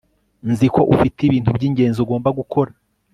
nzi ko ufite ibintu byingenzi ugomba gukora